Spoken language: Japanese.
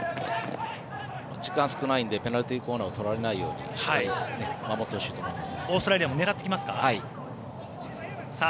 時間少ないのでペナルティーコーナー取られないように守ってほしいと思います。